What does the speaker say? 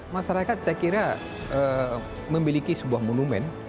masyarakat saya kira memiliki sebuah monumen